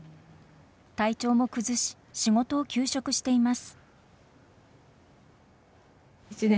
体調も崩し仕事を休職しています。